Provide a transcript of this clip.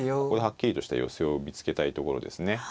ここではっきりとした寄せを見つけたいところですね。